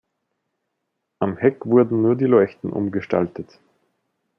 Am Heck wurden nur die Leuchten umgestaltet.